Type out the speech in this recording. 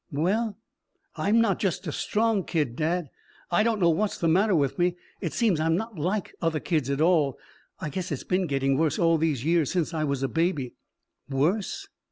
"Well I'm not just a strong kid, dad. I don't know what's the matter with me. It seems I'm not like other kids at all. I guess it's been gettin' worse all these years since I was a baby." "Worse?"